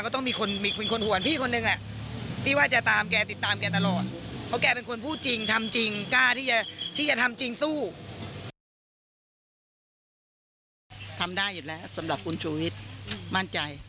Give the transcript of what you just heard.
ทำได้อยู่แล้วสำหรับคุณชูวิทย์มั่นใจ